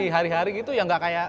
hari hari gitu ya gak kaya